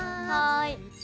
はい。